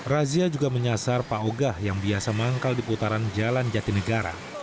razia juga menyasar pak ogah yang biasa manggal di putaran jalan jatinegara